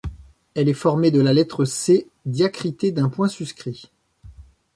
Elle est formée de la lettre C diacritée d’un point suscrit.